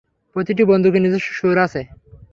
প্রতিটি বন্দুকের নিজস্ব সুর আছে।